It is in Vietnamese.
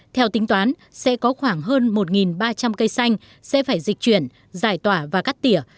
theo tính toán sẽ có khoảng hơn một ba trăm linh cây xanh sẽ phải dịch chuyển giải tỏa và cắt tỉa